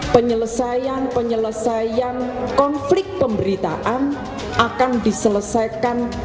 penyelesaian penyelesaian konflik pemberitaan akan diselesaikan